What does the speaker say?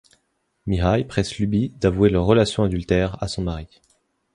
Mihai presse Iubi d'avouer leur relation adultère à son mari.